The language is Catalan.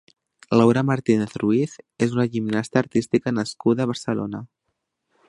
Laura Martínez Ruiz és una gimnasta artística nascuda a Barcelona.